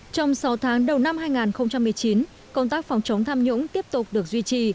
trong sáu tháng đầu năm hai nghìn một mươi chín công tác phòng chống tham nhũng tiếp tục được duy trì